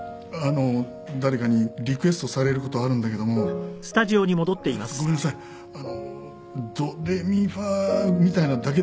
誰かにリクエストされる事はあるんだけども「ごめんなさい」「ドレミファみたいなのだけでいいですか？」